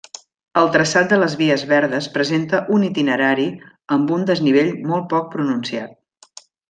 El traçat de les vies verdes presenta un itinerari amb un desnivell molt poc pronunciat.